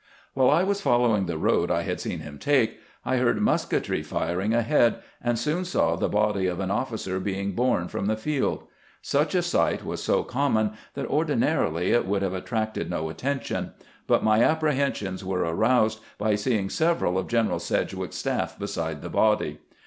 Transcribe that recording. While I was following the road I had seen him take, I heard musketry firing ahead, and soon saw the body of an officer being borne from the field. Such a sight was so common that ordinarily it would have attracted no attention, but my apprehensions were aroused by seeing several of General Sedgwick's staff beside the body.